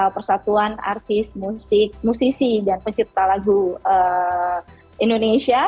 persatuan artis musisi dan pencipta lagu indonesia